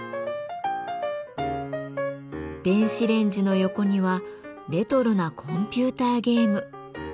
電子レンジの横にはレトロなコンピューターゲーム。